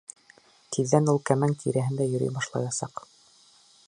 Тиҙҙән ул кәмәң тирәһендә йөрөй башлаясаҡ.